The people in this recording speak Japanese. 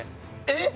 えっ？